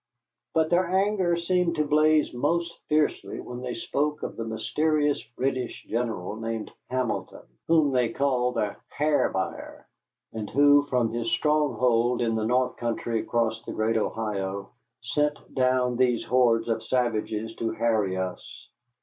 But their anger seemed to blaze most fiercely when they spoke of a mysterious British general named Hamilton, whom they called "the ha'r buyer," and who from his stronghold in the north country across the great Ohio sent down these hordes of savages to harry us.